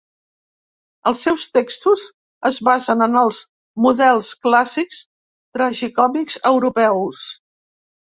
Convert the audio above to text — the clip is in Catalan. Els seus textos es basen en els models clàssics tragicòmics europeus.